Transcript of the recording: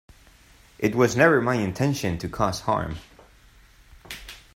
It was never my intention to cause harm.